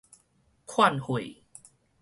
勸誨